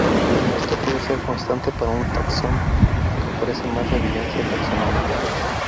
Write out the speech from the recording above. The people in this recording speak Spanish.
Esto puede ser constante para un taxón, que ofrece más evidencia taxonómica.